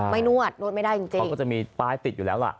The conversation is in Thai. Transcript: นวดนวดไม่ได้จริงเขาก็จะมีป้ายติดอยู่แล้วล่ะ